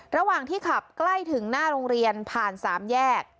ระหว่างที่ขับใกล้ถึงหน้าโรงเรียนผ่าน๓แยก